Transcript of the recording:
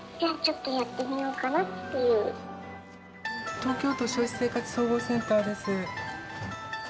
東京都消費生活総合センターです。